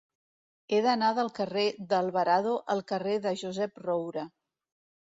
He d'anar del carrer d'Alvarado al carrer de Josep Roura.